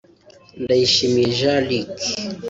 Ndayishimiye Jean Luc